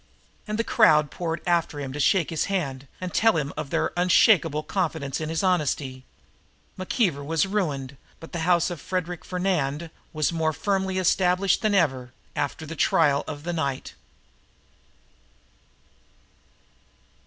And the crowd poured after him to shake his hand and tell him of their unshakable confidence in his honesty. McKeever was ruined, but the house of Frederic Fernand was more firmly established than ever, after the trial of the night.